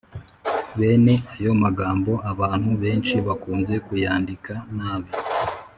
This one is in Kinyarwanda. Bene ayo magambo abantu benshi bakunze kuyandika nabi